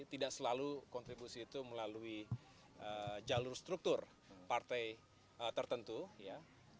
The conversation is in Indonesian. tidak selalu kontribusi itu melalui jalur struktur partai tertentu ya